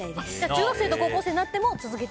中学生と高校生になっても続けて？